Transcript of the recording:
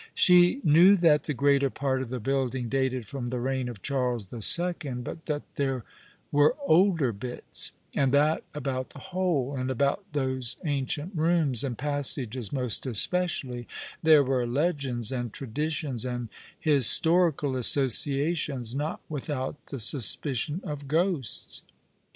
She knew that the greater part of the building dated from the reign of Charles the Second, but that there were older bits ; and that about the whole, and about those ancient rooms and passages most especially, there were legends and traditions and historical associations, not without the suspicion of ghosts.